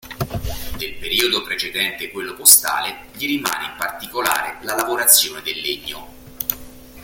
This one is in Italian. Del periodo precedente quello postale gli rimane in particolare la lavorazione del legno.